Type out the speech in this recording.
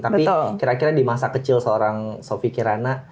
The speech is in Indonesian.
tapi kira kira di masa kecil seorang sofi kirana